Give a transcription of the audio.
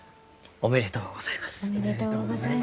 おめでとうございます。